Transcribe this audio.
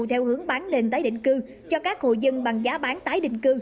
theo hướng bán nền tái định cư cho các hộ dân bằng giá bán tái định cư